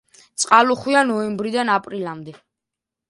წყალუხვია ნოემბრიდან აპრილამდე.